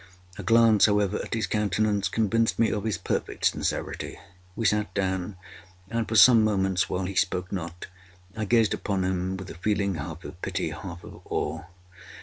A glance, however, at his countenance, convinced me of his perfect sincerity. We sat down; and for some moments, while he spoke not, I gazed upon him with a feeling half of pity, half of awe.